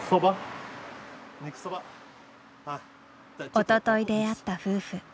おととい出会った夫婦。